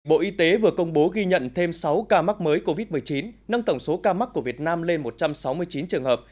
bộ y tế vừa công bố ghi nhận thêm sáu ca mắc mới covid một mươi chín nâng tổng số ca mắc của việt nam lên một trăm sáu mươi chín trường hợp